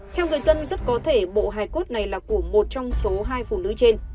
theo người dân rất có thể bộ hài cốt này là của một trong số hai phụ nữ trên